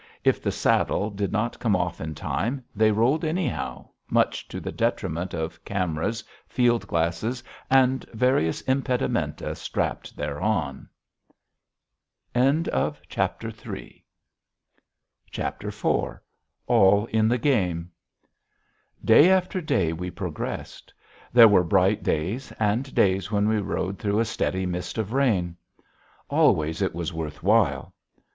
If the saddle did not come off in time, they rolled anyhow, much to the detriment of cameras, field glasses, and various impedimenta strapped thereon. IV ALL IN THE GAME Day after day we progressed. There were bright days and days when we rode through a steady mist of rain. Always it was worth while.